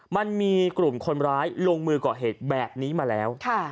มันมีกลุ่มคนร้ายลงมือก่อเหตุแบบนี้มาแล้ว